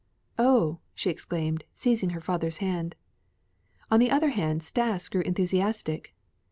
"Oh," she exclaimed, seizing her father's hand. On the other hand, Stas grew enthusiastic.